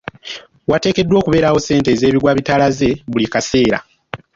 Wateekeddwa okubeerawo ssente ez'ebigwa bitalaze buli kaseera.